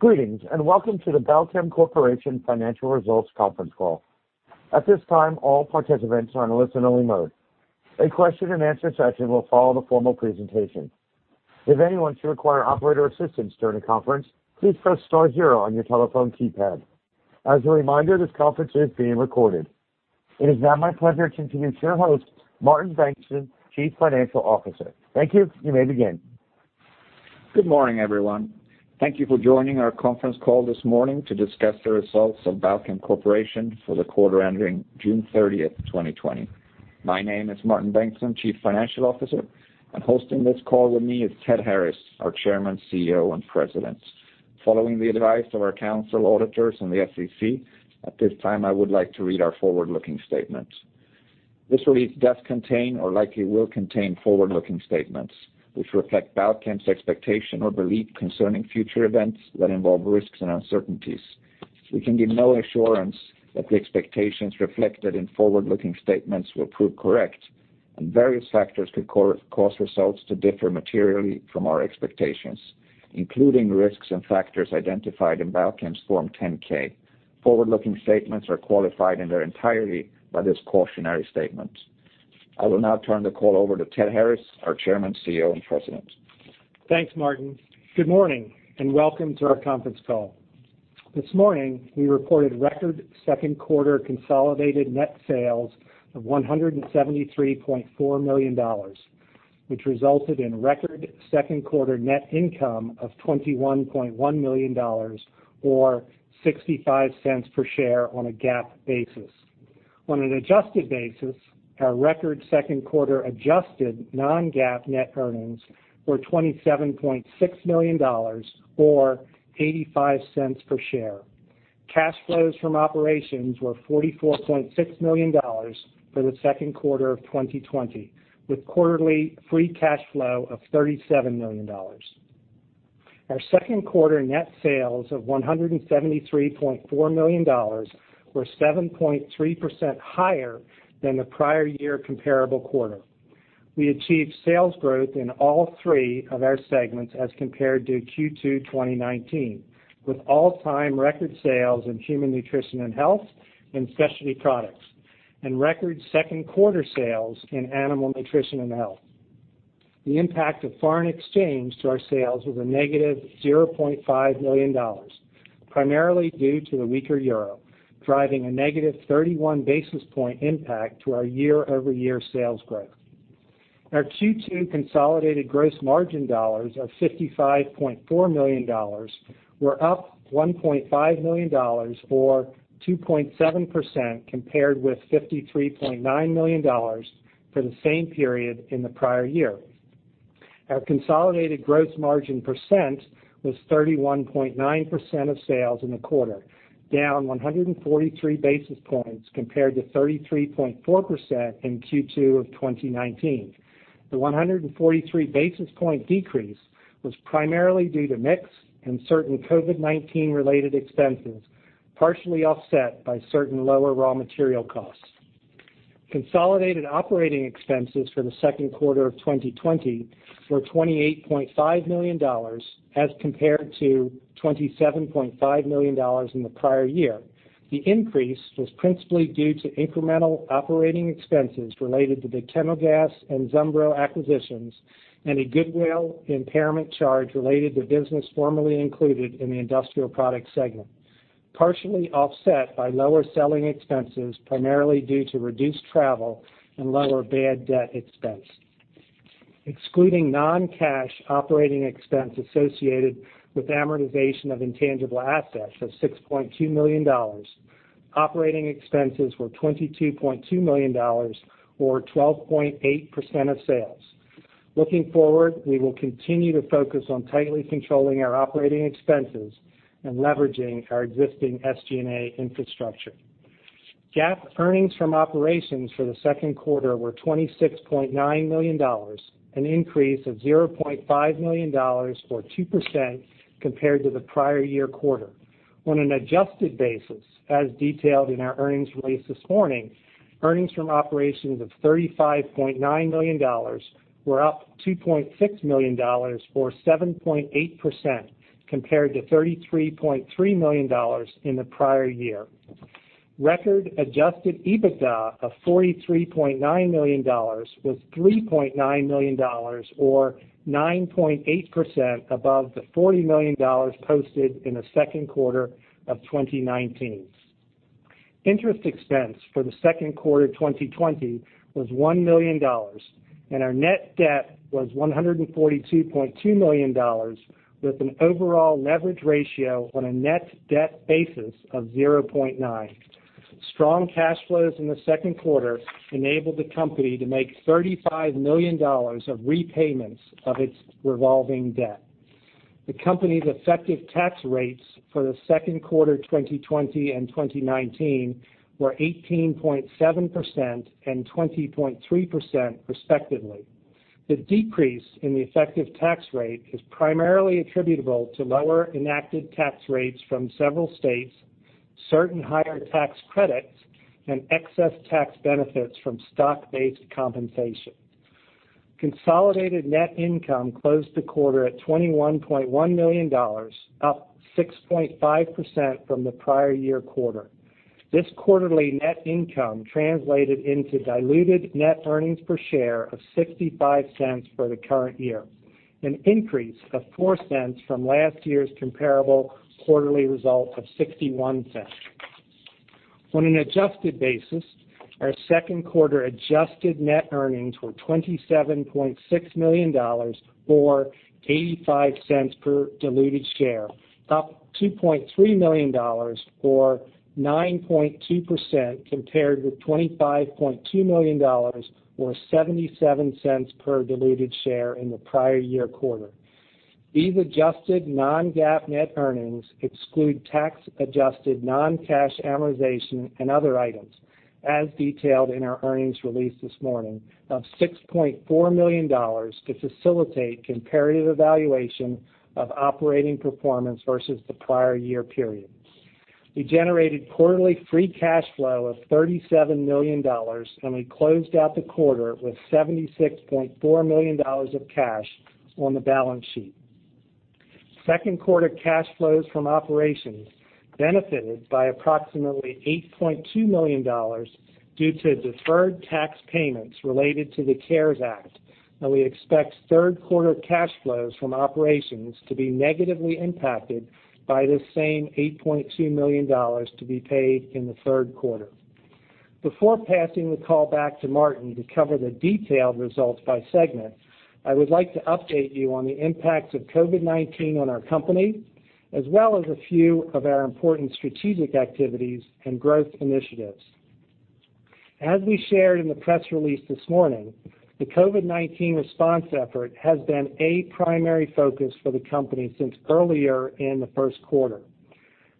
Greetings, and welcome to the Balchem Corporation financial results conference call. At this time, all participants are in listen-only mode. A question and answer session will follow the formal presentation. If anyone should require operator assistance during the conference, please press star zero on your telephone keypad. As a reminder, this conference is being recorded. It is now my pleasure to introduce your host, Martin Bengtsson, Chief Financial Officer. Thank you. You may begin. Good morning, everyone. Thank you for joining our conference call this morning to discuss the results of Balchem Corporation for the quarter ending June 30th, 2020. My name is Martin Bengtsson, Chief Financial Officer, and hosting this call with me is Ted Harris, our Chairman, CEO, and President. Following the advice of our counsel, auditors, and the SEC, at this time I would like to read our forward-looking statement. This release does contain or likely will contain forward-looking statements which reflect Balchem's expectation or belief concerning future events that involve risks and uncertainties. We can give no assurance that the expectations reflected in forward-looking statements will prove correct, and various factors could cause results to differ materially from our expectations, including risks and factors identified in Balchem's Form 10-K. Forward-looking statements are qualified in their entirety by this cautionary statement. I will now turn the call over to Ted Harris, our Chairman, CEO, and President. Thanks, Martin. Good morning, and welcome to our conference call. This morning, we reported record second quarter consolidated net sales of $173.4 million, which resulted in record second quarter net income of $21.1 million, or $0.65 per share on a GAAP basis. On an adjusted basis, our record second quarter adjusted non-GAAP net earnings were $27.6 million or $0.85 per share. Cash flows from operations were $44.6 million for the second quarter of 2020, with quarterly free cash flow of $37 million. Our second quarter net sales of $173.4 million were 7.3% higher than the prior year comparable quarter. We achieved sales growth in all three of our segments as compared to Q2 2019, with all-time record sales in Human Nutrition & Health, and Specialty Products, and record second quarter sales in Animal Nutrition & Health. The impact of foreign exchange to our sales was a -$0.5 million, primarily due to the weaker euro, driving a -31-basis point impact to our year-over-year sales growth. Our Q2 consolidated gross margin dollars of $55.4 million were up $1.5 million, or 2.7% compared with $53.9 million for the same period in the prior year. Our consolidated gross margin percent was 31.9% of sales in the quarter, down 143 basis points compared to 33.4% in Q2 of 2019. The 143-basis point decrease was primarily due to mix and certain COVID-19 related expenses, partially offset by certain lower raw material costs. Consolidated operating expenses for the second quarter of 2020 were $28.5 million as compared to $27.5 million in the prior year. The increase was principally due to incremental operating expenses related to the Chemogas and Zumbro acquisitions and a goodwill impairment charge related to business formerly included in the Industrial Products segment, partially offset by lower selling expenses, primarily due to reduced travel and lower bad debt expense. Excluding non-cash operating expense associated with amortization of intangible assets of $6.2 million, operating expenses were $22.2 million or 12.8% of sales. Looking forward, we will continue to focus on tightly controlling our operating expenses and leveraging our existing SG&A infrastructure. GAAP earnings from operations for the second quarter were $26.9 million, an increase of $0.5 million or 2% compared to the prior year quarter. On an adjusted basis, as detailed in our earnings release this morning, earnings from operations of $35.9 million were up $2.6 million or 7.8% compared to $33.3 million in the prior year. Record adjusted EBITDA of $43.9 million was $3.9 million or 9.8% above the $40 million posted in the second quarter of 2019. Interest expense for the second quarter 2020 was $1 million, and our net debt was $142.2 million, with an overall leverage ratio on a net debt basis of 0.9x. Strong cash flows in the second quarter enabled the company to make $35 million of repayments of its revolving debt. The company's effective tax rates for the second quarter 2020 and 2019 were 18.7% and 20.3% respectively. The decrease in the effective tax rate is primarily attributable to lower enacted tax rates from several states, certain higher tax credits, and excess tax benefits from stock-based compensation. Consolidated net income closed the quarter at $21.1 million, up 6.5% from the prior year quarter. This quarterly net income translated into diluted net earnings per share of $0.65 for the current year, an increase of $0.04 from last year's comparable quarterly result of $0.61. On an adjusted basis, our second quarter adjusted net earnings were $27.6 million, or $0.85 per diluted share, up $2.3 million, or 9.2%, compared with $25.2 million, or $0.77 per diluted share in the prior year quarter. These adjusted non-GAAP net earnings exclude tax-adjusted non-cash amortization and other items, as detailed in our earnings release this morning, of $6.4 million to facilitate comparative evaluation of operating performance versus the prior year period. We generated quarterly free cash flow of $37 million, and we closed out the quarter with $76.4 million of cash on the balance sheet. Second quarter cash flows from operations benefited by approximately $8.2 million due to deferred tax payments related to the CARES Act. We expect third quarter cash flows from operations to be negatively impacted by this same $8.2 million to be paid in the third quarter. Before passing the call back to Martin to cover the detailed results by segment, I would like to update you on the impacts of COVID-19 on our company, as well as a few of our important strategic activities and growth initiatives. As we shared in the press release this morning, the COVID-19 response effort has been a primary focus for the company since earlier in the first quarter.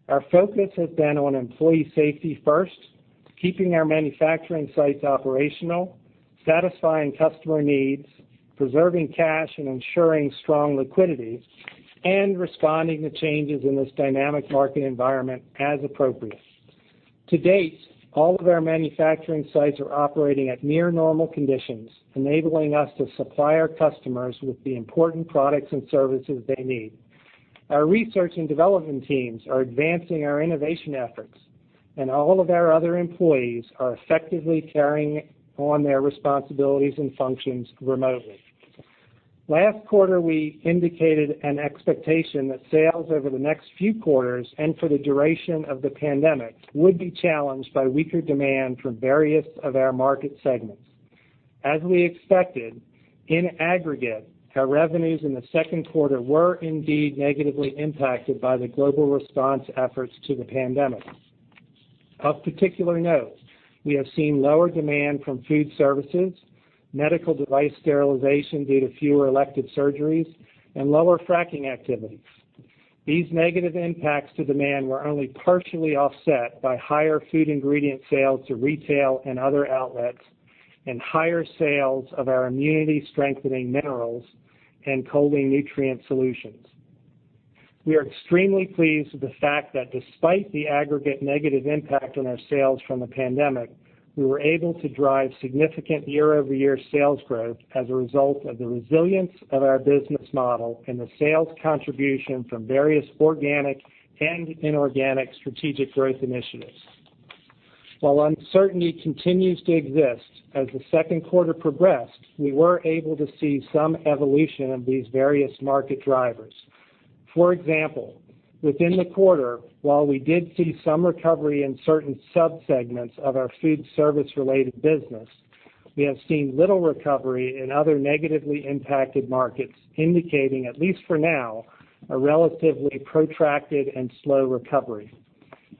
Our focus has been on employee safety first, keeping our manufacturing sites operational, satisfying customer needs, preserving cash and ensuring strong liquidity, and responding to changes in this dynamic market environment as appropriate. To date, all of our manufacturing sites are operating at near normal conditions, enabling us to supply our customers with the important products and services they need. Our research and development teams are advancing our innovation efforts, and all of our other employees are effectively carrying on their responsibilities and functions remotely. Last quarter, we indicated an expectation that sales over the next few quarters and for the duration of the pandemic would be challenged by weaker demand from various of our market segments. As we expected, in aggregate, our revenues in the second quarter were indeed negatively impacted by the global response efforts to the pandemic. Of particular note, we have seen lower demand from food services, medical device sterilization due to fewer elective surgeries, and lower fracking activities. These negative impacts to demand were only partially offset by higher food ingredient sales to retail and other outlets, and higher sales of our immunity-strengthening minerals and choline nutrient solutions. We are extremely pleased with the fact that despite the aggregate negative impact on our sales from the pandemic, we were able to drive significant year-over-year sales growth as a result of the resilience of our business model and the sales contribution from various organic and inorganic strategic growth initiatives. While uncertainty continues to exist, as the second quarter progressed, we were able to see some evolution of these various market drivers. For example, within the quarter, while we did see some recovery in certain sub-segments of our food service-related business, we have seen little recovery in other negatively impacted markets, indicating, at least for now, a relatively protracted and slow recovery.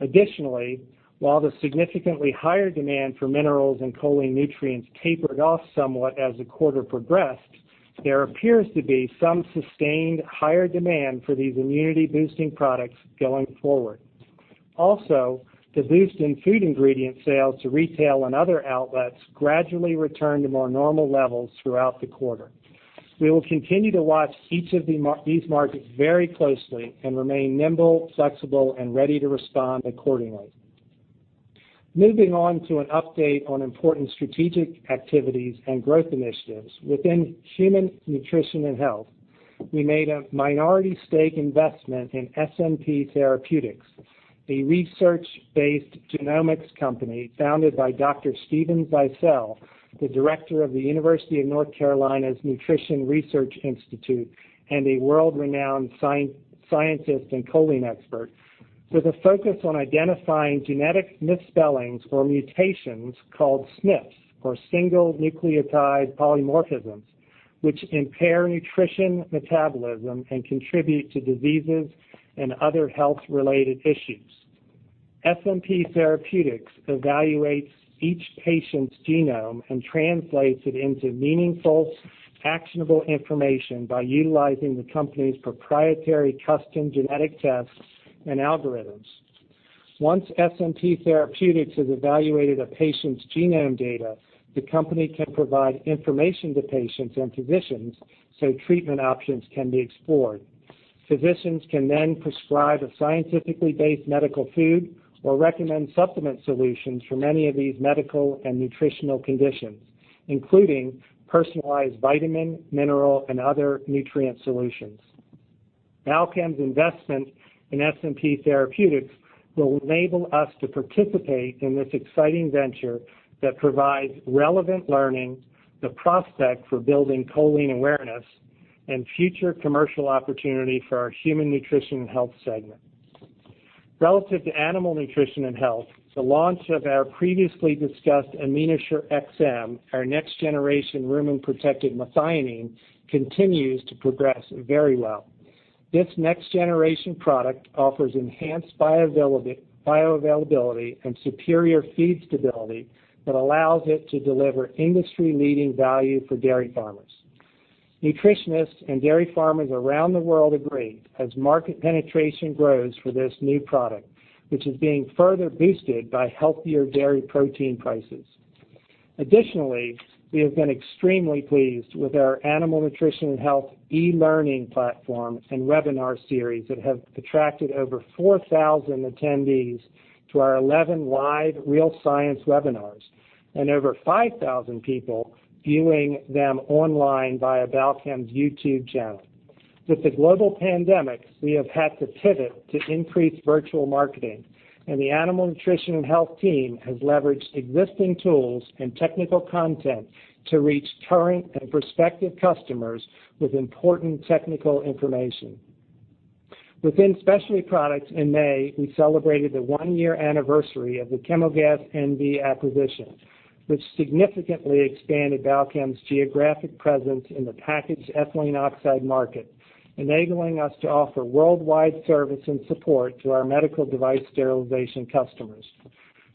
Additionally, while the significantly higher demand for minerals and choline nutrients tapered off somewhat as the quarter progressed, there appears to be some sustained higher demand for these immunity-boosting products going forward. Also, the boost in food ingredient sales to retail and other outlets gradually returned to more normal levels throughout the quarter. We will continue to watch each of these markets very closely and remain nimble, flexible, and ready to respond accordingly. Moving on to an update on important strategic activities and growth initiatives. Within Human Nutrition & Health, we made a minority stake investment in SNP Therapeutics, a research-based genomics company founded by Dr. Steven Zeisel, the Director of the University of North Carolina's Nutrition Research Institute and a world-renowned scientist and choline expert, with a focus on identifying genetic misspellings or mutations called SNPs, or single nucleotide polymorphisms, which impair nutrition metabolism and contribute to diseases and other health-related issues. SNP Therapeutics evaluates each patient's genome and translates it into meaningful, actionable information by utilizing the company's proprietary custom genetic tests and algorithms. Once SNP Therapeutics has evaluated a patient's genome data, the company can provide information to patients and physicians so treatment options can be explored. Physicians can then prescribe a scientifically based medical food or recommend supplement solutions for many of these medical and nutritional conditions, including personalized vitamin, mineral, and other nutrient solutions. Balchem's investment in SNP Therapeutics will enable us to participate in this exciting venture that provides relevant learning, the prospect for building choline awareness, and future commercial opportunity for our Human Nutrition & Health segment. Relative to Animal Nutrition & Health, the launch of our previously discussed AminoShure-XM, our next-generation rumen-protected methionine, continues to progress very well. This next-generation product offers enhanced bioavailability and superior feed stability that allows it to deliver industry-leading value for dairy farmers. Nutritionists and dairy farmers around the world agree, as market penetration grows for this new product, which is being further boosted by healthier dairy protein prices. Additionally, we have been extremely pleased with our Animal Nutrition & Health e-learning platform and webinar series that have attracted over 4,000 attendees to our 11 live Real Science webinars and over 5,000 people viewing them online via Balchem's YouTube channel. With the global pandemic, we have had to pivot to increased virtual marketing, and the Animal Nutrition & Health team has leveraged existing tools and technical content to reach current and prospective customers with important technical information. Within Specialty Products in May, we celebrated the one-year anniversary of the Chemogas NV acquisition, which significantly expanded Balchem's geographic presence in the packaged ethylene oxide market, enabling us to offer worldwide service and support to our medical device sterilization customers.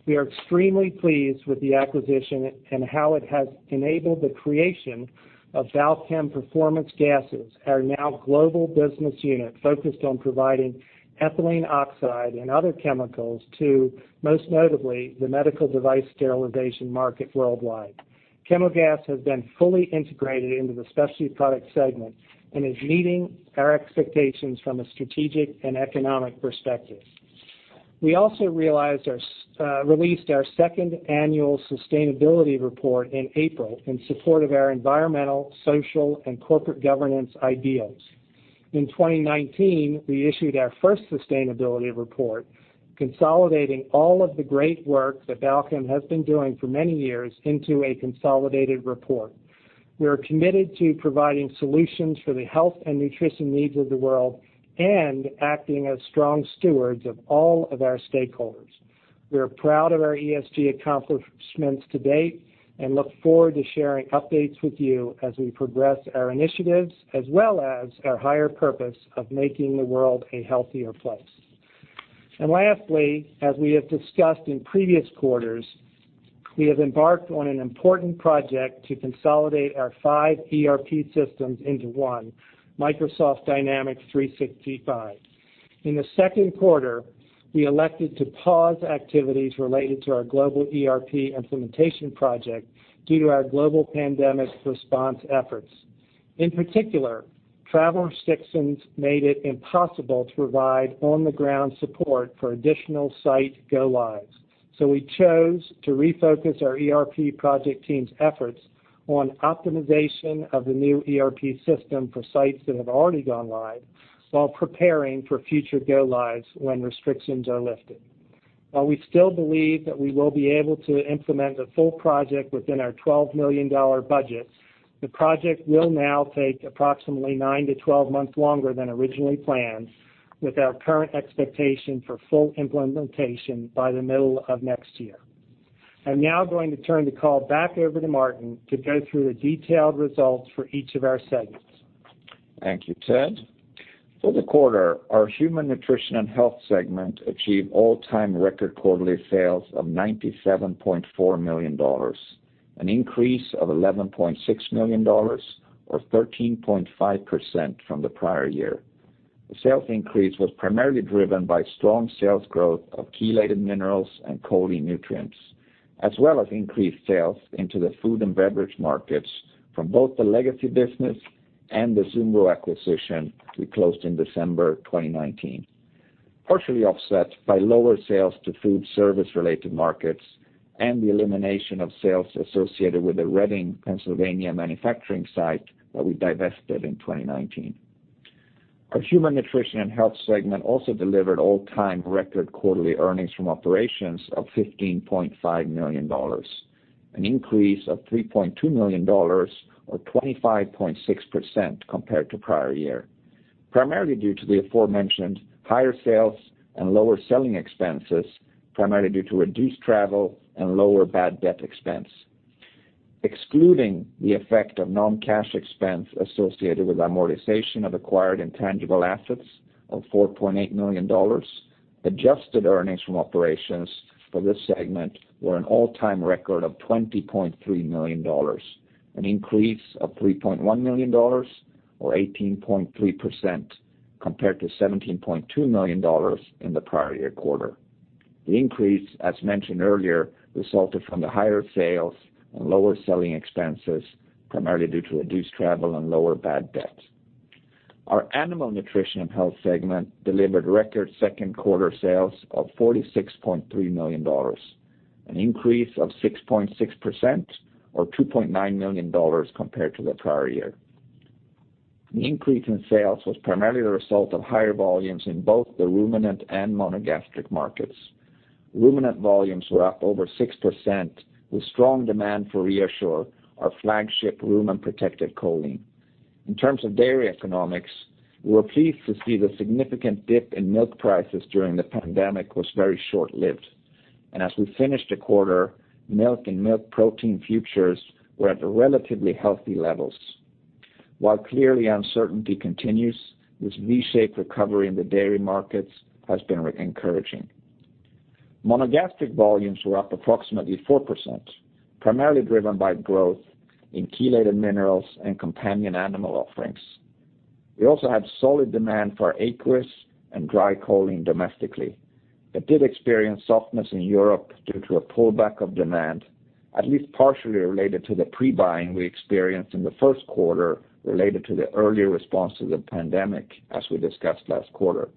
We are extremely pleased with the acquisition and how it has enabled the creation of Balchem Performance Gases, our now global business unit focused on providing ethylene oxide and other chemicals to, most notably, the medical device sterilization market worldwide. Chemogas has been fully integrated into the Specialty Products segment and is meeting our expectations from a strategic and economic perspective. We also released our second Annual Sustainability Report in April in support of our environmental, social, and corporate governance ideals. In 2019, we issued our first Sustainability Report, consolidating all of the great work that Balchem has been doing for many years into a consolidated report. We are committed to providing solutions for the health and nutrition needs of the world and acting as strong stewards of all of our stakeholders. We are proud of our ESG accomplishments to date and look forward to sharing updates with you as we progress our initiatives, as well as our higher purpose of making the world a healthier place. Lastly, as we have discussed in previous quarters, we have embarked on an important project to consolidate our five ERP systems into one, Microsoft Dynamics 365. In the second quarter, we elected to pause activities related to our global ERP implementation project due to our global pandemic response efforts. In particular, travel restrictions made it impossible to provide on-the-ground support for additional site go-lives. We chose to refocus our ERP project team's efforts on optimization of the new ERP system for sites that have already gone live while preparing for future go lives when restrictions are lifted. While we still believe that we will be able to implement the full project within our $12 million budget, the project will now take approximately 9-12 months longer than originally planned, with our current expectation for full implementation by the middle of next year. I'm now going to turn the call back over to Martin to go through the detailed results for each of our segments. Thank you, Ted. For the quarter, our Human Nutrition & Health segment achieved all-time record quarterly sales of $97.4 million, an increase of $11.6 million or 13.5% from the prior year. The sales increase was primarily driven by strong sales growth of chelated minerals and choline nutrients, as well as increased sales into the food and beverage markets from both the legacy business and the Zumbro acquisition we closed in December 2019, partially offset by lower sales to food service-related markets and the elimination of sales associated with the Reading, Pennsylvania, manufacturing site that we divested in 2019. Our Human Nutrition & Health segment also delivered all-time record quarterly earnings from operations of $15.5 million, an increase of $3.2 million or 25.6% compared to prior year, primarily due to the aforementioned higher sales and lower selling expenses, primarily due to reduced travel and lower bad debt expense. Excluding the effect of non-cash expense associated with amortization of acquired intangible assets of $4.8 million, adjusted earnings from operations for this segment were an all-time record of $20.3 million, an increase of $3.1 million or 18.3% compared to $17.2 million in the prior year quarter. The increase, as mentioned earlier, resulted from the higher sales and lower selling expenses, primarily due to reduced travel and lower bad debt. Our Animal Nutrition & Health segment delivered record second quarter sales of $46.3 million, an increase of 6.6% or $2.9 million compared to the prior year. The increase in sales was primarily the result of higher volumes in both the ruminant and monogastric markets. Ruminant volumes were up over 6%, with strong demand for ReaShure, our flagship rumen-protected choline. In terms of dairy economics, we were pleased to see the significant dip in milk prices during the pandemic was very short-lived. As we finished the quarter, milk and milk protein futures were at relatively healthy levels. While clearly uncertainty continues, this V-shaped recovery in the dairy markets has been encouraging. Monogastric volumes were up approximately 4%, primarily driven by growth in chelated minerals and companion animal offerings. We also had solid demand for aqueous and dry choline domestically, but did experience softness in Europe due to a pullback of demand, at least partially related to the pre-buying we experienced in the first quarter related to the earlier response to the pandemic, as we discussed last quarter.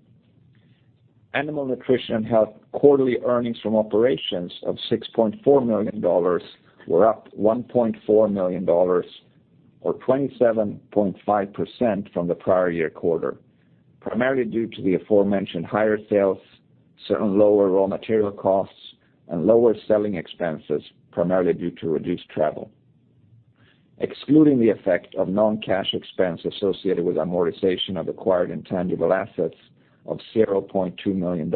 Animal Nutrition & Health quarterly earnings from operations of $6.4 million were up $1.4 million or 27.5% from the prior year quarter, primarily due to the aforementioned higher sales, certain lower raw material costs, and lower selling expenses, primarily due to reduced travel. Excluding the effect of non-cash expense associated with amortization of acquired intangible assets of $0.2 million,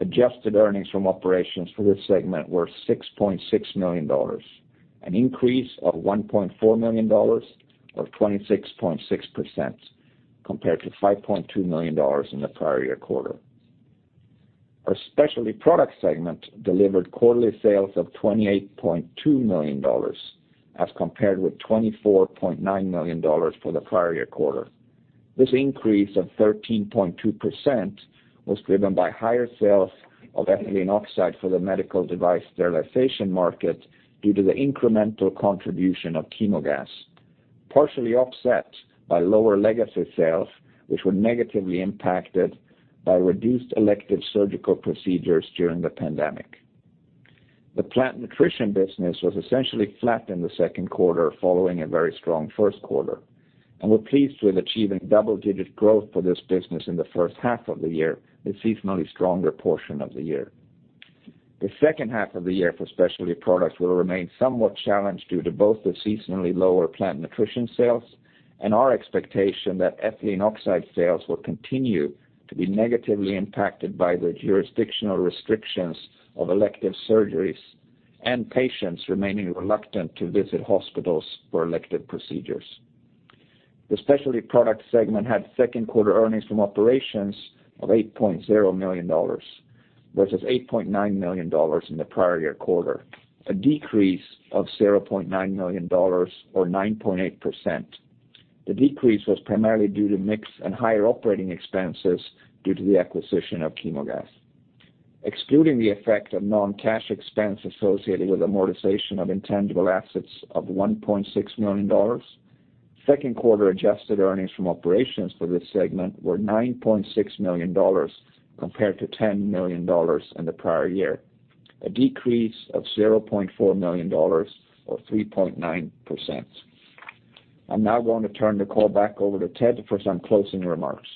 adjusted earnings from operations for this segment were $6.6 million, an increase of $1.4 million or 26.6% compared to $5.2 million in the prior year quarter. Our Specialty Products segment delivered quarterly sales of $28.2 million as compared with $24.9 million for the prior year quarter. This increase of 13.2% was driven by higher sales of ethylene oxide for the medical device sterilization market due to the incremental contribution of Chemogas, partially offset by lower legacy sales, which were negatively impacted by reduced elective surgical procedures during the pandemic. The Plant Nutrition business was essentially flat in the second quarter following a very strong first quarter, and we're pleased with achieving double-digit growth for this business in the first half of the year, the seasonally stronger portion of the year. The second half of the year for Specialty Products will remain somewhat challenged due to both the seasonally lower Plant Nutrition sales and our expectation that ethylene oxide sales will continue to be negatively impacted by the jurisdictional restrictions of elective surgeries and patients remaining reluctant to visit hospitals for elective procedures. The Specialty Products segment had second quarter earnings from operations of $8.0 million versus $8.9 million in the prior year quarter, a decrease of $0.9 million or 9.8%. The decrease was primarily due to mix and higher operating expenses due to the acquisition of Chemogas. Excluding the effect of non-cash expense associated with amortization of intangible assets of $1.6 million, second quarter adjusted earnings from operations for this segment were $9.6 million compared to $10 million in the prior year, a decrease of $0.4 million or 3.9%. I'm now going to turn the call back over to Ted for some closing remarks.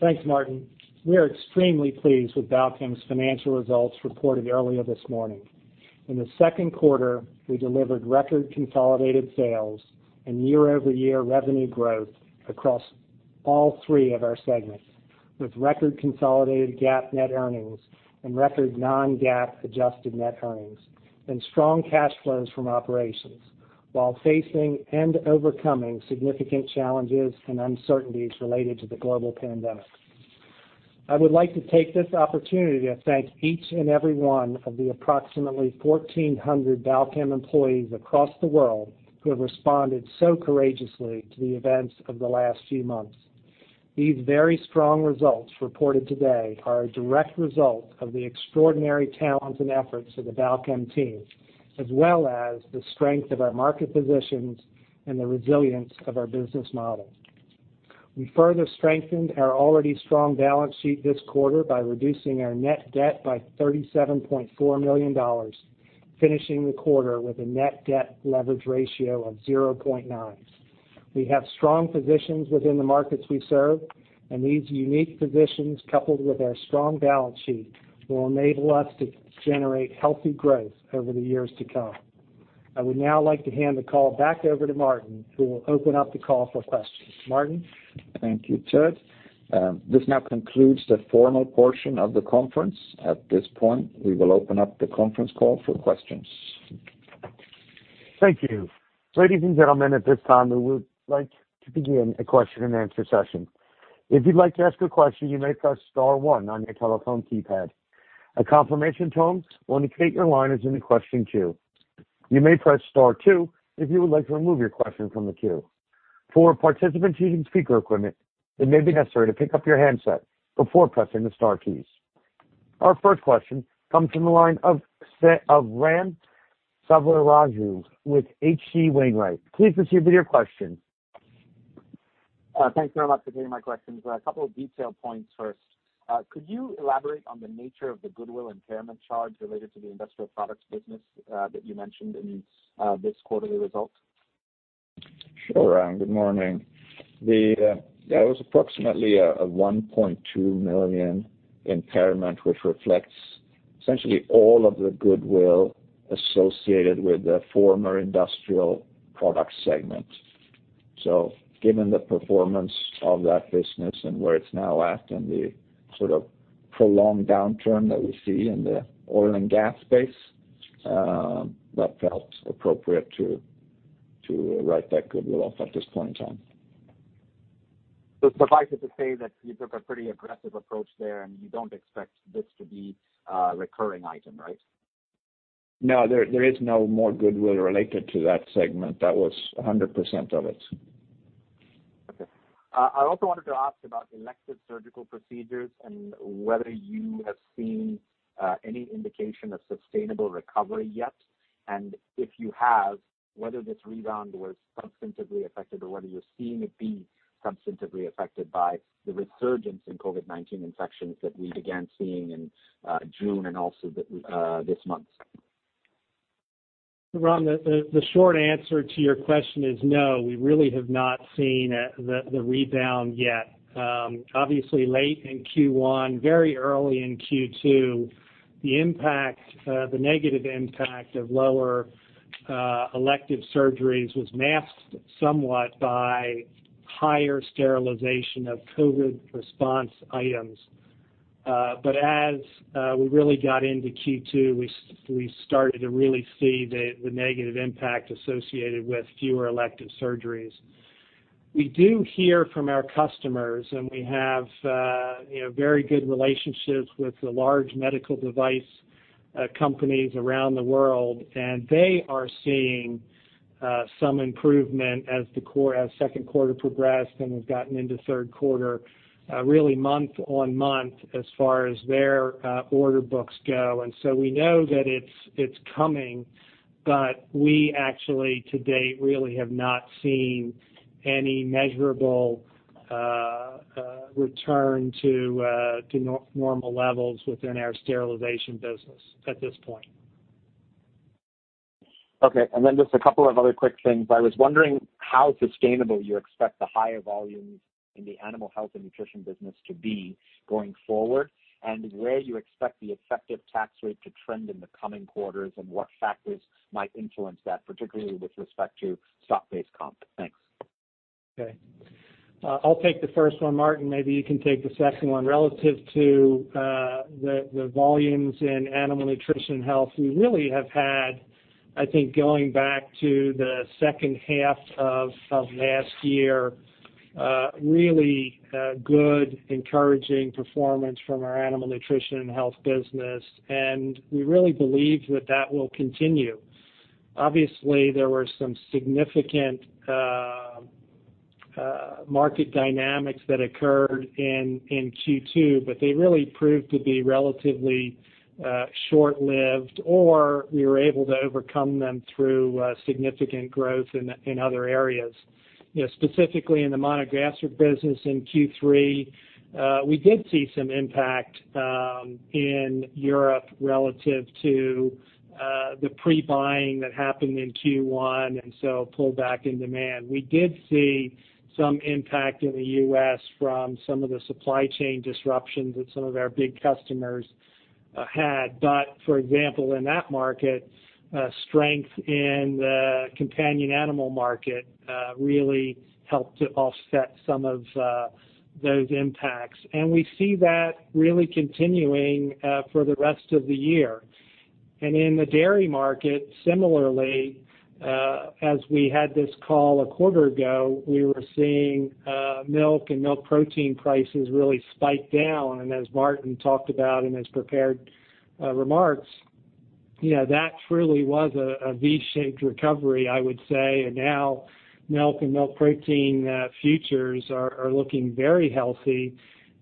Thanks, Martin. We are extremely pleased with Balchem's financial results reported earlier this morning. In the second quarter, we delivered record consolidated sales and year-over-year revenue growth across all three of our segments, with record consolidated GAAP net earnings and record non-GAAP adjusted net earnings and strong cash flows from operations while facing and overcoming significant challenges and uncertainties related to the global pandemic. I would like to take this opportunity to thank each and every one of the approximately 1,400 Balchem employees across the world who have responded so courageously to the events of the last few months. These very strong results reported today are a direct result of the extraordinary talent and efforts of the Balchem team, as well as the strength of our market positions and the resilience of our business model. We further strengthened our already strong balance sheet this quarter by reducing our net debt by $37.4 million, finishing the quarter with a net debt leverage ratio of 0.9x. We have strong positions within the markets we serve, and these unique positions, coupled with our strong balance sheet, will enable us to generate healthy growth over the years to come. I would now like to hand the call back over to Martin, who will open up the call for questions. Martin? Thank you, Ted. This now concludes the formal portion of the conference. At this point, we will open up the conference call for questions. Thank you. Ladies and gentlemen, at this time, we would like to begin a question and answer session. If you'd like to ask a question, you may press star one on your telephone keypad. A confirmation tone will indicate your line is in question queue. You may press star two if you would like to remove your question from the queue. For participants using speaker equipment, it may be necessary to pick up your handset before pressing the star keys. Our first question comes from the line of Ram Selvaraju with H.C. Wainwright. Please proceed with your question. Thanks very much for taking my questions. A couple of detail points first. Could you elaborate on the nature of the goodwill impairment charge related to the Industrial Products business that you mentioned in this quarterly result? Sure, Ram. Good morning. There was approximately a $1.2 million impairment, which reflects essentially all of the goodwill associated with the former Industrial Products segment. Given the performance of that business and where it's now at in the prolonged downturn that we see in the oil and gas space, that felt appropriate to write that goodwill off at this point in time. Suffice it to say that you took a pretty aggressive approach there, and you don't expect this to be a recurring item, right? No, there is no more goodwill related to that segment. That was 100% of it. Okay. I also wanted to ask about elective surgical procedures and whether you have seen any indication of sustainable recovery yet, if you have, whether this rebound was substantively affected or whether you're seeing it be substantively affected by the resurgence in COVID-19 infections that we began seeing in June and also this month? Ram, the short answer to your question is no, we really have not seen the rebound yet. Late in Q1, very early in Q2, the negative impact of lower elective surgeries was masked somewhat by higher sterilization of COVID response items. As we really got into Q2, we started to really see the negative impact associated with fewer elective surgeries. We do hear from our customers, we have very good relationships with the large medical device companies around the world, they are seeing some improvement as second quarter progressed and we've gotten into third quarter, really month-on-month as far as their order books go. We know that it's coming, we actually to date, really have not seen any measurable return to normal levels within our sterilization business at this point. Okay, just a couple of other quick things. I was wondering how sustainable you expect the higher volumes in the Animal Nutrition & Health business to be going forward, and where you expect the effective tax rate to trend in the coming quarters, and what factors might influence that, particularly with respect to stock-based comp. Thanks. Okay. I'll take the first one, Martin, maybe you can take the second one. Relative to the volumes in Animal Nutrition & Health we really have had, I think going back to the second half of last year, really good encouraging performance from our Animal Nutrition & Health business, we really believe that that will continue. Obviously, there were some significant market dynamics that occurred in Q2, they really proved to be relatively short-lived, or we were able to overcome them through significant growth in other areas. Specifically in the monogastric business in Q3, we did see some impact in Europe relative to the pre-buying that happened in Q1, so pullback in demand. We did see some impact in the U.S. from some of the supply chain disruptions that some of our big customers had. For example, in that market, strength in the companion animal market really helped to offset some of those impacts. We see that really continuing for the rest of the year. In the dairy market, similarly, as we had this call a quarter ago, we were seeing milk and milk protein prices really spike down. As Martin talked about in his prepared remarks, that truly was a V-shaped recovery, I would say, and now milk and milk protein futures are looking very healthy,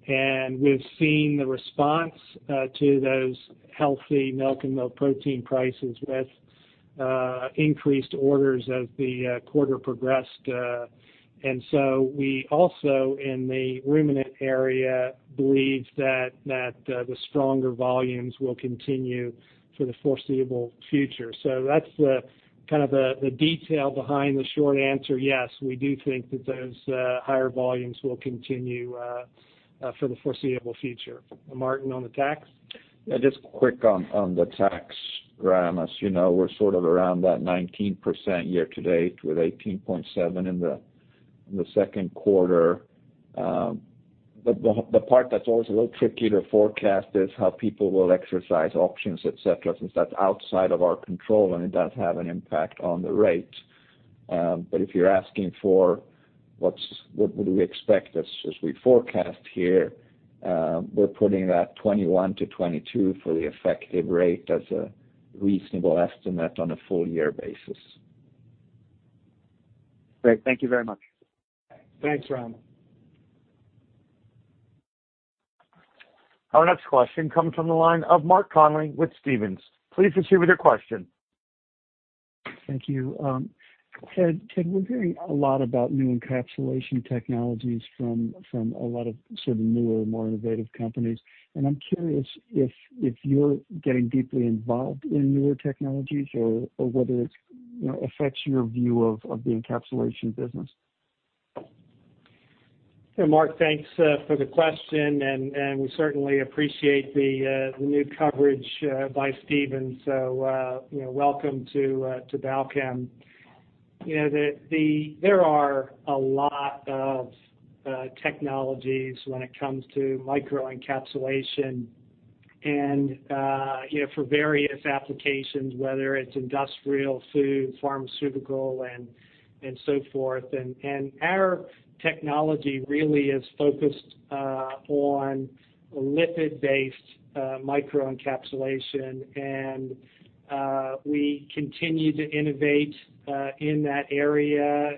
and we've seen the response to those healthy milk and milk protein prices with increased orders as the quarter progressed. We also, in the ruminant area, believe that the stronger volumes will continue for the foreseeable future. That's the detail behind the short answer. Yes, we do think that those higher volumes will continue for the foreseeable future. Martin, on the tax? Yeah, just quick on the tax, Ram. As you know, we're sort of around that 19% year-to-date with 18.7% in the second quarter. The part that's always a little tricky to forecast is how people will exercise options, et cetera, since that's outside of our control and it does have an impact on the rate. If you're asking for what would we expect as we forecast here, we're putting that 21%-22% for the effective rate as a reasonable estimate on a full-year basis. Great. Thank you very much. Thanks, Ram. Our next question comes from the line of Mark Connelly with Stephens. Please proceed with your question. Thank you. Ted, we're hearing a lot about new encapsulation technologies from a lot of sort of newer, more innovative companies. I'm curious if you're getting deeply involved in newer technologies or whether it affects your view of the encapsulation business? Mark, thanks for the question, and we certainly appreciate the new coverage by Stephens. Welcome to Balchem. There are a lot of technologies when it comes to microencapsulation and for various applications, whether it's industrial, food, pharmaceutical, and so forth. Our technology really is focused on lipid-based microencapsulation. We continue to innovate in that area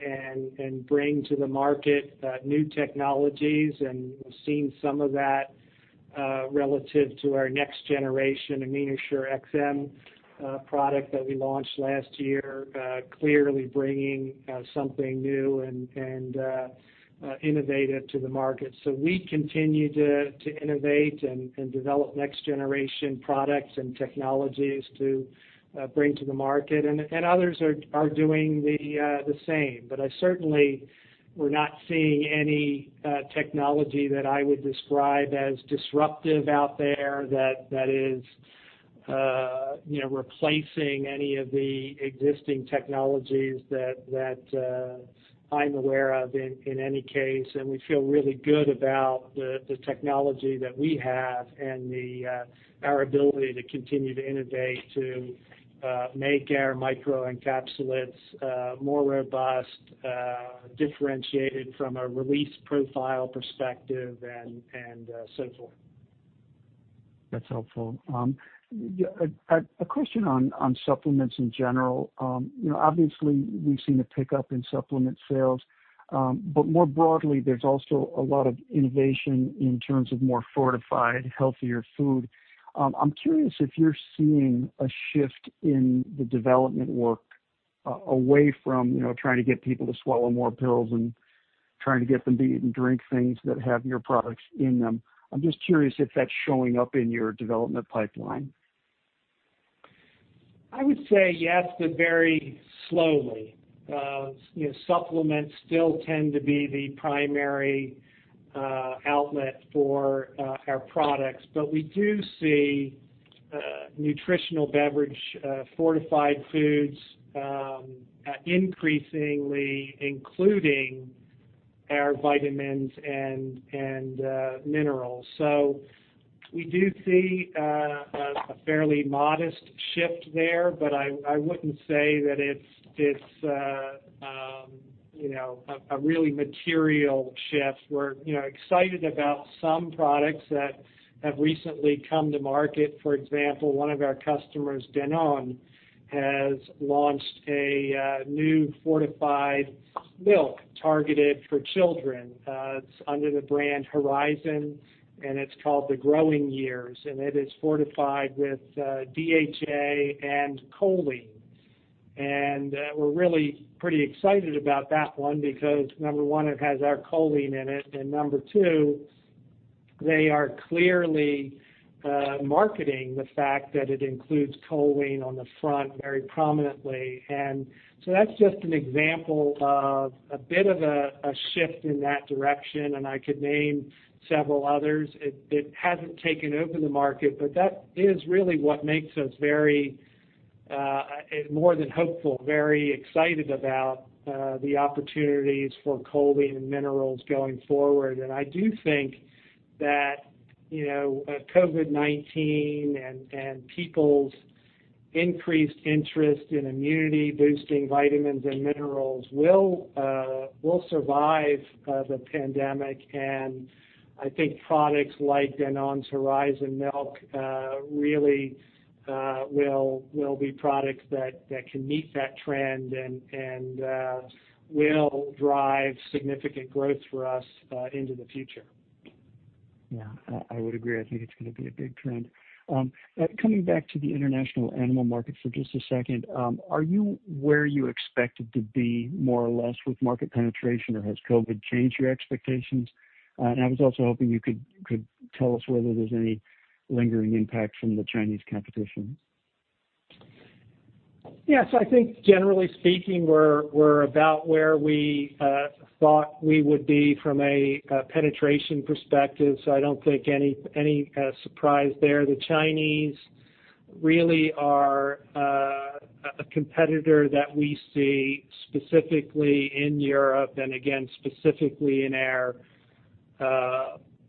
and bring to the market new technologies, and we've seen some of that relative to our next-generation AminoShure-XM product that we launched last year, clearly bringing something new and innovative to the market. We continue to innovate and develop next-generation products and technologies to bring to the market, and others are doing the same. Certainly, we're not seeing any technology that I would describe as disruptive out there that is replacing any of the existing technologies that I'm aware of, in any case. We feel really good about the technology that we have and our ability to continue to innovate, to make our microencapsulates more robust, differentiated from a release profile perspective, and so forth. That's helpful. A question on supplements in general. Obviously, we've seen a pickup in supplement sales. More broadly, there's also a lot of innovation in terms of more fortified, healthier food. I'm curious if you're seeing a shift in the development work away from trying to get people to swallow more pills and trying to get them to eat and drink things that have your products in them. I'm just curious if that's showing up in your development pipeline. I would say yes, but very slowly. Supplements still tend to be the primary outlet for our products, but we do see nutritional beverage, fortified foods, increasingly including our vitamins and minerals. We do see a fairly modest shift there, but I wouldn't say that it's a really material shift. We're excited about some products that have recently come to market. For example, one of our customers, Danone, has launched a new fortified milk targeted for children. It's under the brand Horizon, and it's called the Growing Years, and it is fortified with DHA and choline. We're really pretty excited about that one because, number one, it has our choline in it, and number two, they are clearly marketing the fact that it includes choline on the front very prominently. That's just an example of a bit of a shift in that direction, and I could name several others. It hasn't taken over the market, that is really what makes us more than hopeful, very excited about the opportunities for choline and minerals going forward. I do think that COVID-19 and people's increased interest in immunity-boosting vitamins and minerals will survive the pandemic. I think products like Danone's Horizon milk really will be products that can meet that trend and will drive significant growth for us into the future. Yeah, I would agree. I think it's going to be a big trend. Coming back to the international animal market for just a second. Are you where you expected to be more or less with market penetration, or has COVID changed your expectations? I was also hoping you could tell us whether there's any lingering impact from the Chinese competition. Yes, I think generally speaking, we're about where we thought we would be from a penetration perspective, so I don't think any surprise there. The Chinese really are a competitor that we see specifically in Europe and again, specifically in our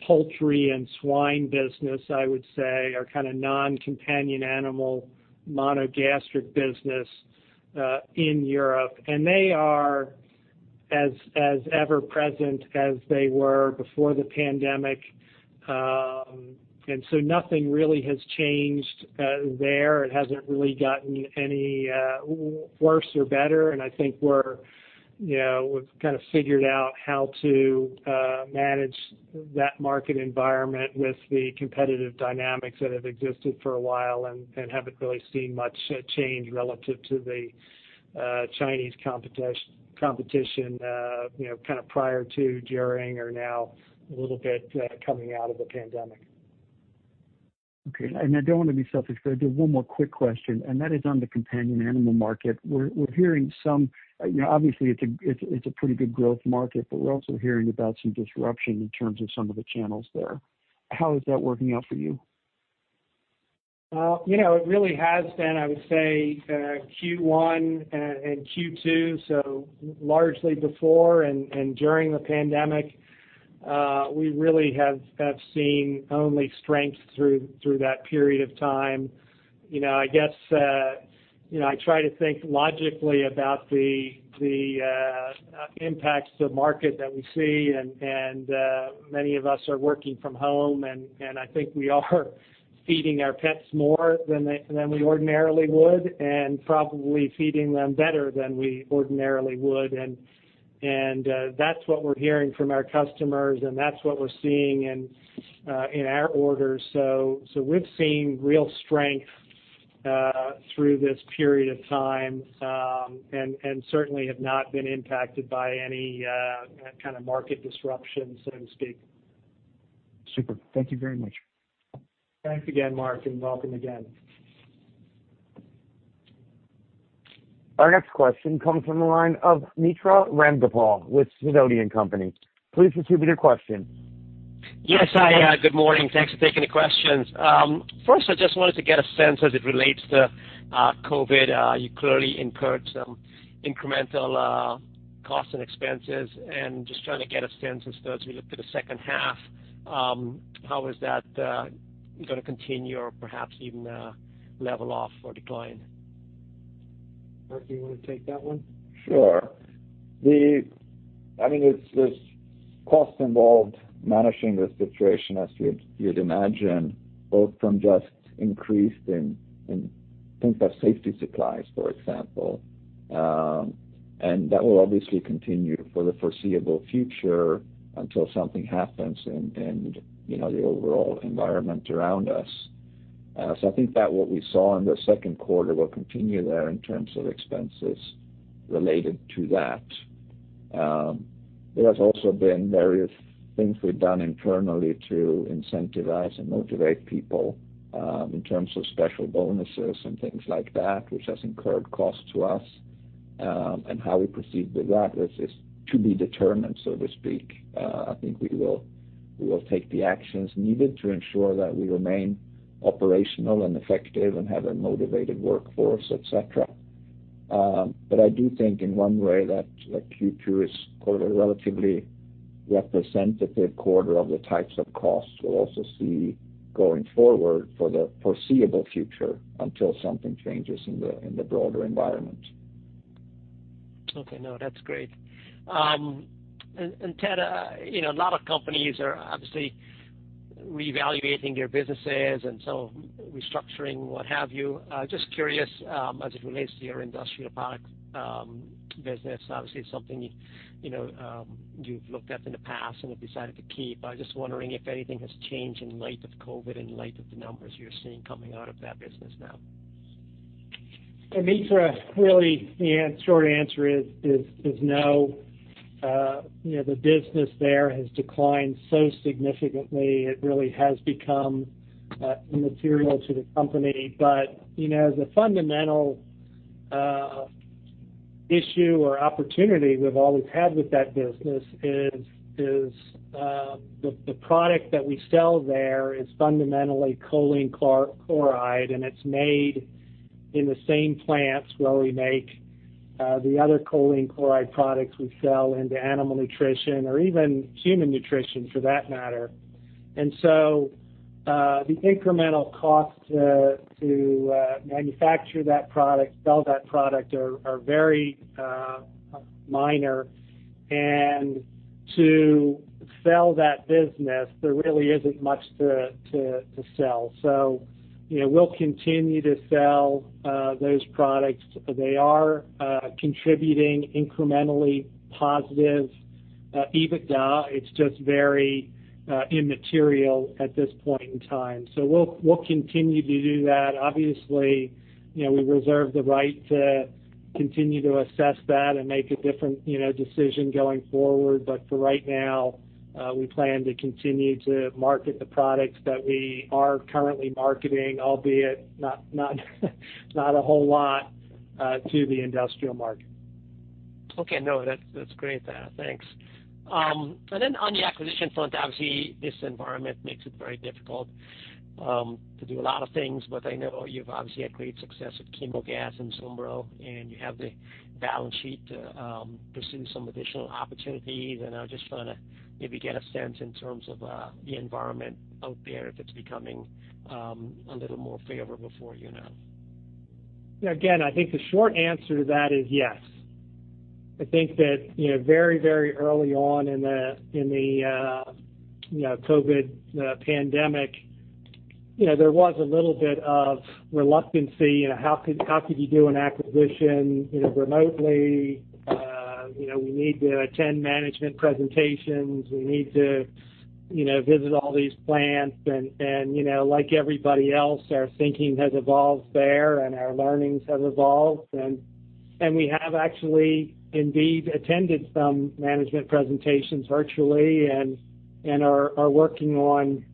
poultry and swine business, I would say, our kind of non-companion animal, monogastric business in Europe. They are as ever present as they were before the pandemic. Nothing really has changed there. It hasn't really gotten any worse or better, and I think we've kind of figured out how to manage that market environment with the competitive dynamics that have existed for a while and haven't really seen much change relative to the Chinese competition, kind of prior to, during, or now a little bit coming out of the pandemic. Okay. I don't want to be selfish, but I do one more quick question, and that is on the companion animal market. We're hearing obviously it's a pretty good growth market, but we're also hearing about some disruption in terms of some of the channels there. How is that working out for you? It really has been, I would say, Q1 and Q2, so largely before and during the pandemic. We really have seen only strength through that period of time. I try to think logically about the impacts to the market that we see and many of us are working from home, and I think we are feeding our pets more than we ordinarily would, and probably feeding them better than we ordinarily would. That's what we're hearing from our customers, and that's what we're seeing in our orders. We've seen real strength through this period of time, and certainly have not been impacted by any kind of market disruption, so to speak. Super. Thank you very much. Thanks again, Mark, and welcome again. Our next question comes from the line of Mitra Ramgopal with Sidoti & Company. Please distribute your question. Yes, good morning. Thanks for taking the questions. First, I just wanted to get a sense as it relates to COVID. You clearly incurred some incremental costs and expenses, and just trying to get a sense as to, as we look to the second half, how is that going to continue or perhaps even level off or decline? Martin, do you want to take that one? Sure. There's costs involved managing the situation, as you'd imagine, both from just increased in things like safety supplies, for example. That will obviously continue for the foreseeable future until something happens in the overall environment around us. I think that what we saw in the second quarter will continue there in terms of expenses related to that. There has also been various things we've done internally to incentivize and motivate people, in terms of special bonuses and things like that, which has incurred costs to us. How we proceed with that is to be determined, so to speak. I think we will take the actions needed to ensure that we remain operational and effective and have a motivated workforce, et cetera. I do think in one way that Q2 is a relatively representative quarter of the types of costs we'll also see going forward for the foreseeable future until something changes in the broader environment. Okay. No, that's great. Ted, a lot of companies are obviously reevaluating their businesses and so restructuring, what have you. Just curious, as it relates to your Industrial Products business, obviously it's something you've looked at in the past and have decided to keep. I'm just wondering if anything has changed in light of COVID, in light of the numbers you're seeing coming out of that business now. Hey, Mitra, really the short answer is no. The business there has declined so significantly it really has become immaterial to the company. The fundamental issue or opportunity we've always had with that business is the product that we sell there is fundamentally choline chloride, and it's made in the same plants where we make the other choline chloride products we sell into Animal Nutrition or even Human Nutrition for that matter. The incremental costs to manufacture that product, sell that product, are very minor. To sell that business, there really isn't much to sell. We'll continue to sell those products. They are contributing incrementally positive EBITDA. It's just very immaterial at this point in time. We'll continue to do that. Obviously, we reserve the right to continue to assess that and make a different decision going forward. For right now, we plan to continue to market the products that we are currently marketing, albeit not a whole lot, to the industrial market. Okay. No, that's great, Ted. Thanks. On the acquisition front, obviously this environment makes it very difficult to do a lot of things, but I know you've obviously had great success with Chemogas and Zumbro, and you have the balance sheet to pursue some additional opportunities. I was just trying to maybe get a sense in terms of the environment out there, if it's becoming a little more favorable for you now. Again, I think the short answer to that is yes. I think that very early on in the COVID pandemic, there was a little bit of reluctance. How could you do an acquisition remotely? We need to attend management presentations. We need to visit all these plants. Like everybody else, our thinking has evolved there, and our learnings have evolved. We have actually indeed attended some management presentations virtually and are working on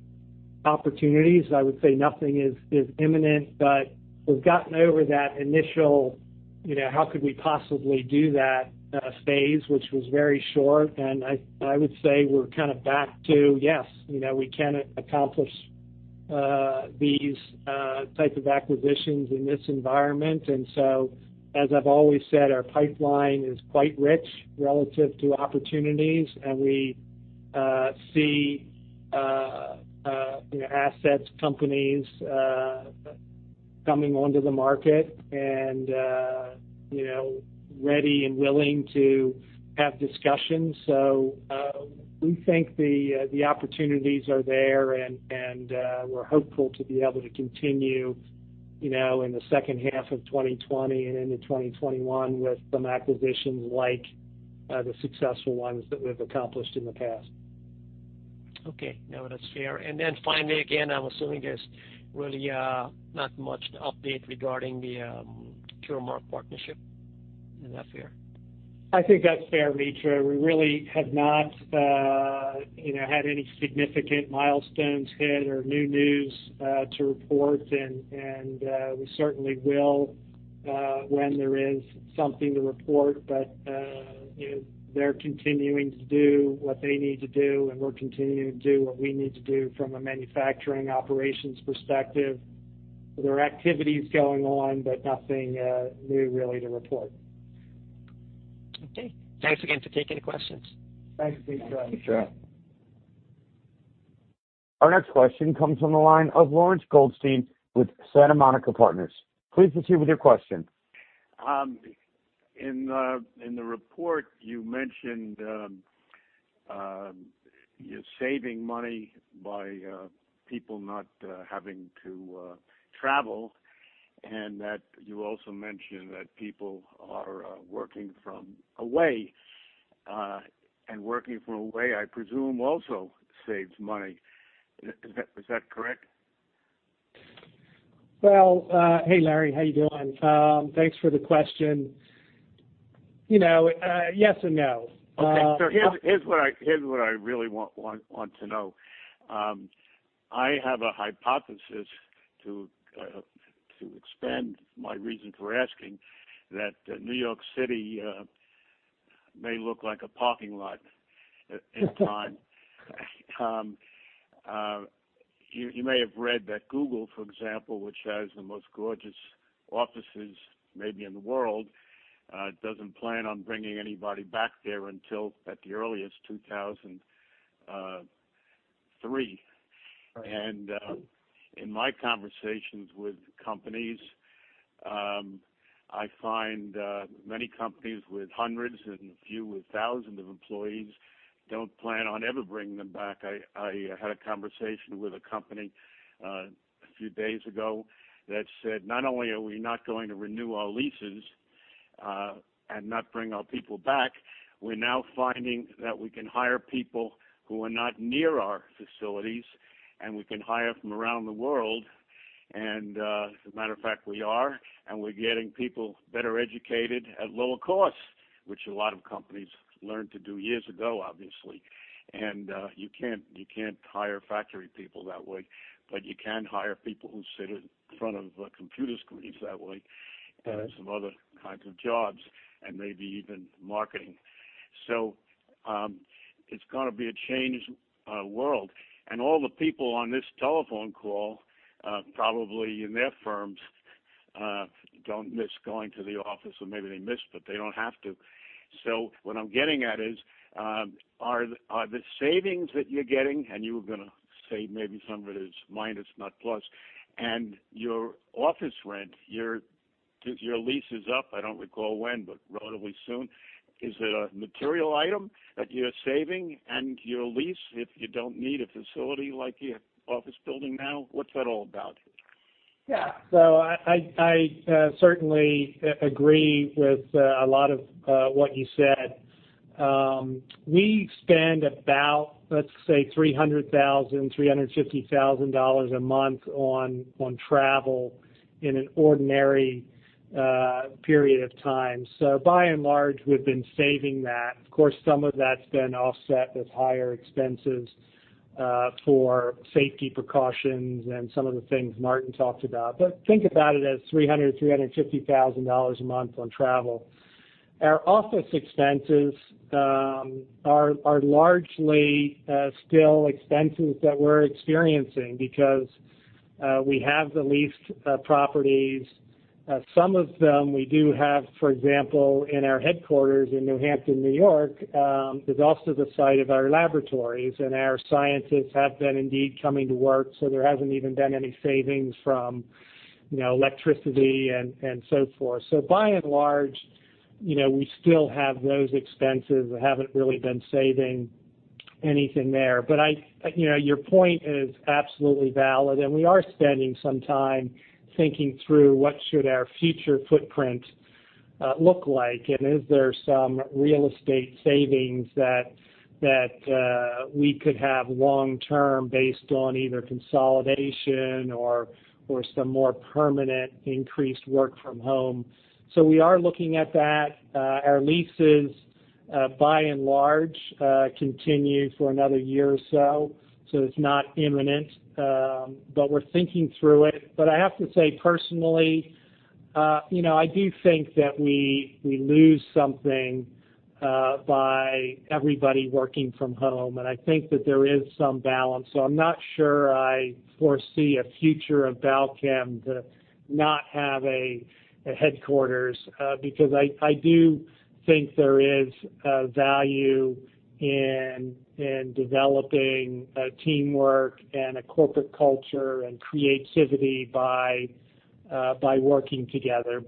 opportunities. I would say nothing is imminent, but we've gotten over that initial how could we possibly do that phase, which was very short. I would say we're kind of back to, yes, we can accomplish these types of acquisitions in this environment. As I've always said, our pipeline is quite rich relative to opportunities, and we see assets, companies coming onto the market and ready and willing to have discussions. We think the opportunities are there, and we're hopeful to be able to continue in the second half of 2020 and into 2021 with some acquisitions like the successful ones that we've accomplished in the past. Okay. No, that's fair. Finally, again, I'm assuming there's really not much to update regarding the Curemark partnership. Is that fair? I think that's fair, Mitra. We really have not had any significant milestones hit or new news to report, and we certainly will when there is something to report. They're continuing to do what they need to do, and we're continuing to do what we need to do from a manufacturing operations perspective. There are activities going on, but nothing new really to report. Okay. Thanks again for taking the questions. Thanks, Mitra. Our next question comes from the line of Lawrence Goldstein with Santa Monica Partners. Please proceed with your question. In the report, you mentioned you're saving money by people not having to travel, and that you also mentioned that people are working from away. Working from away, I presume, also saves money. Is that correct? Well, hey, Larry. How you doing? Thanks for the question. Yes and no. Okay. Here's what I really want to know. I have a hypothesis to expand my reasons for asking that New York City may look like a parking lot in time. You may have read that Google, for example, which has the most gorgeous offices maybe in the world, doesn't plan on bringing anybody back there until at the earliest 2023. Right. In my conversations with companies, I find many companies with hundreds and a few with thousands of employees don't plan on ever bringing them back. I had a conversation with a company a few days ago that said, "Not only are we not going to renew our leases and not bring our people back, we're now finding that we can hire people who are not near our facilities, and we can hire from around the world. As a matter of fact, we are, and we're getting people better educated at lower costs," which a lot of companies learned to do years ago, obviously. You can't hire factory people that way, but you can hire people who sit in front of computer screens that way. Right. Some other kinds of jobs, and maybe even marketing. All the people on this telephone call probably in their firms don't miss going to the office, or maybe they miss, but they don't have to. What I'm getting at is, are the savings that you're getting, and you were going to save maybe some of it as minus, not plus, and your office rent, your lease is up, I don't recall when, but relatively soon. Is it a material item that you're saving? Your lease, if you don't need a facility like your office building now, what's that all about? Yeah. I certainly agree with a lot of what you said. We spend about, let's say $300,000, $350,000 a month on travel in an ordinary period of time. By and large, we've been saving that. Of course, some of that's been offset with higher expenses for safety precautions and some of the things Martin talked about. Think about it as $300,000, $350,000 a month on travel. Our office expenses are largely still expenses that we're experiencing because we have the leased properties. Some of them we do have, for example, in our headquarters in New Hampton, New York, is also the site of our laboratories, and our scientists have been indeed coming to work, so there hasn't even been any savings from electricity and so forth. By and large, we still have those expenses. We haven't really been saving anything there. Your point is absolutely valid, and we are spending some time thinking through what should our future footprint look like, and is there some real estate savings that we could have long-term based on either consolidation or some more permanent increased work from home. We are looking at that. Our leases, by and large, continue for another year or so. It's not imminent. We're thinking through it. I have to say, personally, I do think that we lose something by everybody working from home, and I think that there is some balance. I'm not sure I foresee a future of Balchem to not have a headquarters, because I do think there is value in developing teamwork and a corporate culture and creativity by working together.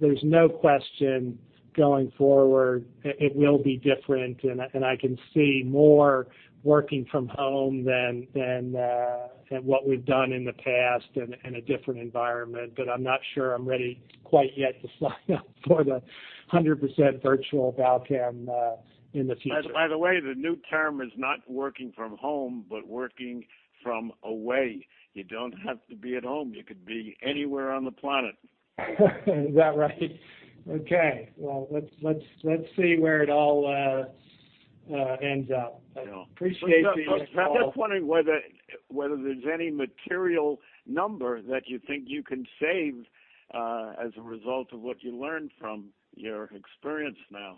There's no question, going forward, it will be different, and I can see more working from home than what we've done in the past in a different environment. I'm not sure I'm ready quite yet to sign up for the 100% virtual Balchem in the future. The new term is not working from home, but working from away. You don't have to be at home. You could be anywhere on the planet. Is that right? Okay. Well, let's see where it all ends up. Yeah. I appreciate the color. I'm just wondering whether there's any material number that you think you can save as a result of what you learned from your experience now.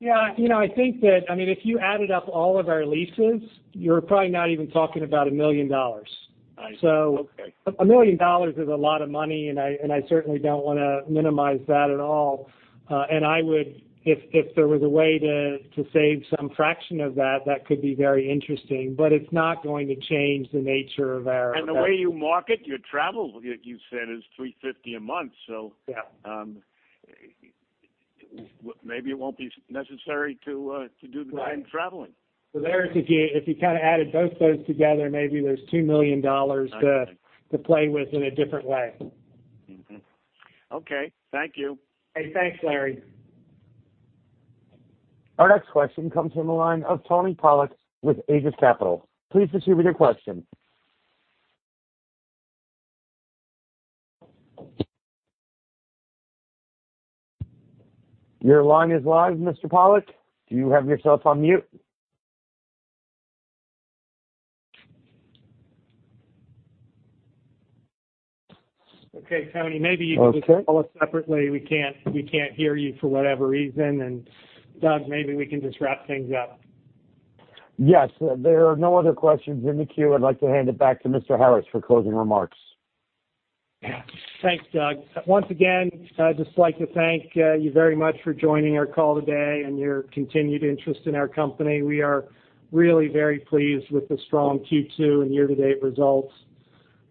Yeah. I think that if you added up all of our leases, you're probably not even talking about a million dollars. I see. Okay. A million dollars is a lot of money, and I certainly don't want to minimize that at all. If there was a way to save some fraction of that could be very interesting, but it's not going to change the nature of our. The way you market your travel, you said, is $350,000 a month. Yeah. Maybe it won't be necessary to do the time traveling. There, if you added both those together, maybe there's $2 million– I see. –to play with in a different way. Mm-hmm. Okay. Thank you. Hey, thanks, Larry. Our next question comes from the line of Anthony Polak with Aegis Capital. Please proceed with your question. Your line is live, Mr. Polak. Do you have yourself on mute? Okay, Anthony maybe you can just call us separately. We can't hear you for whatever reason. Doug, maybe we can just wrap things up. Yes. There are no other questions in the queue. I'd like to hand it back to Mr. Harris for closing remarks. Thanks, Doug. Once again, I'd just like to thank you very much for joining our call today and your continued interest in our company. We are really very pleased with the strong Q2 and year-to-date results,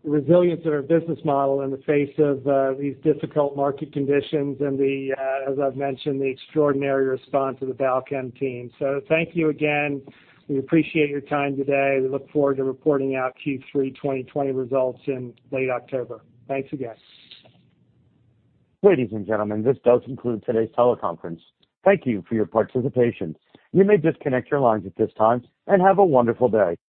the resilience of our business model in the face of these difficult market conditions and the, as I've mentioned, the extraordinary response of the Balchem team. Thank you again. We appreciate your time today. We look forward to reporting out Q3 2020 results in late October. Thanks again. Ladies and gentlemen, this does conclude today's teleconference. Thank you for your participation. You may disconnect your lines at this time, and have a wonderful day.